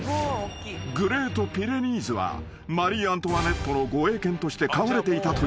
［グレート・ピレニーズはマリー・アントワネットの護衛犬として飼われていたという］